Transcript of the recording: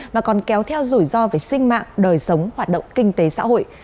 mà còn kéo theo rủi ro về sinh mạng đời sống hoạt động kinh tế xã hội